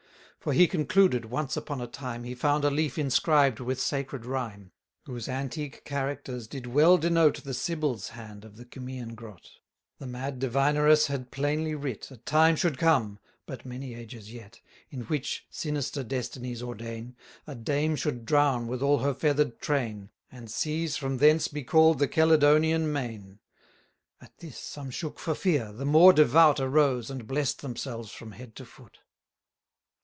For he concluded, once upon a time, He found a leaf inscribed with sacred rhyme, Whose antique characters did well denote The Sibyl's hand of the Cumæan grot: The mad divineress had plainly writ, 490 A time should come (but many ages yet), In which, sinister destinies ordain, A dame should drown with all her feather'd train, And seas from thence be call'd the Chelidonian main. At this, some shook for fear, the more devout Arose, and bless'd themselves from head to foot.